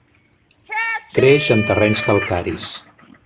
Creix en terrenys calcaris.